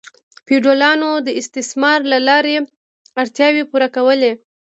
فیوډالانو د استثمار له لارې اړتیاوې پوره کولې.